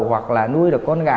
hoặc là nuôi được con gà